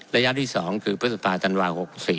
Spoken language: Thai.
ระยะที่๒คือพฤษภาธันวา๖๔